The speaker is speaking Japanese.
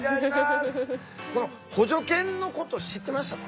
この補助犬のこと知ってましたか？